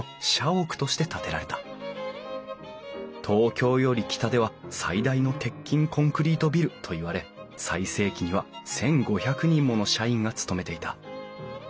東京より北では最大の鉄筋コンクリートビルといわれ最盛期には１，５００人もの社員が勤めていた。